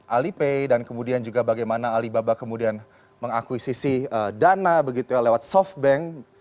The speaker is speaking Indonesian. alipay dan kemudian juga bagaimana alibaba kemudian mengakuisisi dana begitu ya lewat softbank